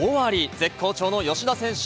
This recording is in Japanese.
絶好調の吉田選手。